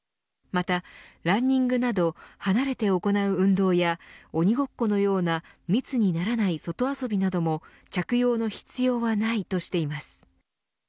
また、ランニングなど離れて行う運動や鬼ごっこのような密にならない外遊びなども着用の必要はないとしています。